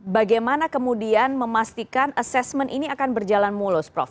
bagaimana kemudian memastikan assessment ini akan berjalan mulus prof